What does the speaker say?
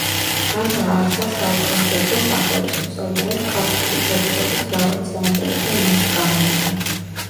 მან დააარსა საოქრომჭედლო სახელოსნო, საიდანაც ქართული ჭედურობის მრავალი საინტერესო ნიმუში გამოვიდა.